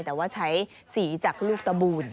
แต่ว่าใช้สีจากลูกตะบูน